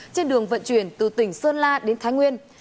trên đường vận chuyển từ tỉnh sơn la đến thái nguyên